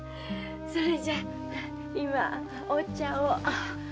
それじゃ今お茶を。